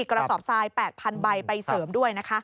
กระสอบทราย๘๐๐๐ใบไปเสริมด้วยนะคะ